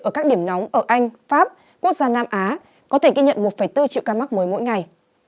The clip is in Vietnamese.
ở các điểm nóng ở anh pháp quốc gia nam á có thể ghi nhận một bốn triệu ca mắc mới mỗi ngày